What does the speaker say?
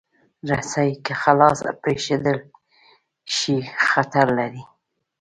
رسۍ که خلاصه پرېښودل شي، خطر لري.